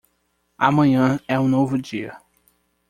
Amanhã é um novo dia.